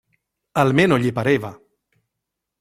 Almeno gli pareva.